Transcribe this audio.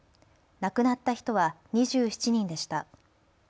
亡くなった人は２７人でした。